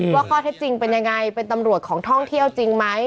ว่าข้อเท็จจริงเป็นยังไงเป็นตำรวจของท่องเที่ยวจริงไหม